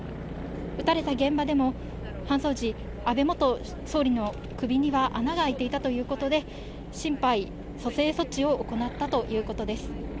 撃たれた現場でも、搬送時、安倍元総理の首には穴が開いていたということで、心肺蘇生措置を行ったということです。